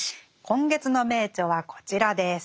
今月の名著はこちらです。